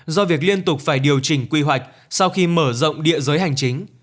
do việc liên tục phải điều chỉnh quy hoạch sau khi mở rộng địa giới hành chính